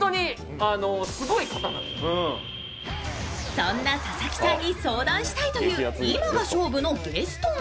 そんな佐々木さんに相談したいという今が勝負のゲストは。